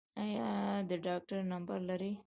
ایا د ډاکټر نمبر لرئ؟